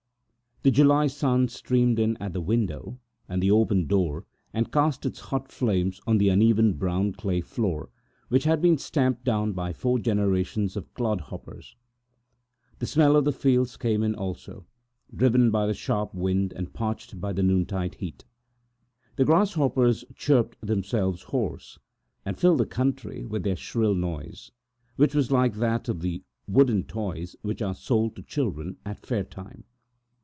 The July sun streamed in at the window and through the open door and cast its hot flames on to the uneven brown clay floor, which had been stamped down by four generations of clodhoppers. The smell of the fields came in also, driven by the brisk wind, and parched by the noontide heat. The grasshoppers chirped themselves hoarse, filling the air with their shrill noise, like that of the wooden crickets which are sold to children at fair time.